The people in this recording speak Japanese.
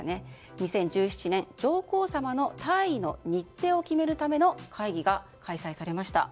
２０１７年、上皇さまの退位の日程を決めるための会議が開催されました。